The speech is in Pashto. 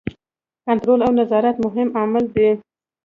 کنټرول او نظارت مهم عامل دی.